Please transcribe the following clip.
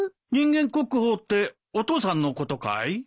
人間国宝ってお父さんのことかい？